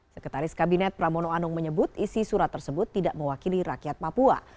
sekretaris kabinet pramono anung menyebut isi surat tersebut tidak mewakili rakyat papua